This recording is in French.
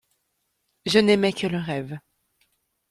Je n'aimai que le rêve.